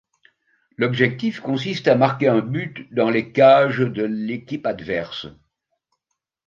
L'objectif consiste à marquer un but dans les cages de l'équipe adverse.